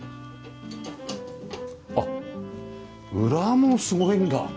あっ裏もすごいんだ。